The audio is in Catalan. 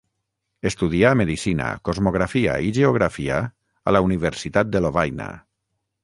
Estudià medicina, cosmografia i geografia a la Universitat de Lovaina.